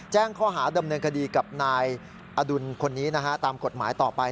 แจ้งข้อหาดำเนินคดีกับนายอดุลคนนี้นะฮะตามกฎหมายต่อไป